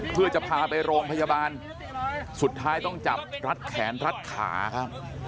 เพื่อจะพาไปโรงพยาบาลสุดท้ายต้องจับรัดแขนรัดขาครับ